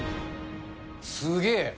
すげえ。